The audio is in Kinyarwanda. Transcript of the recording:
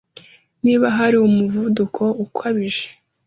Niba hari umuvuduko ukabije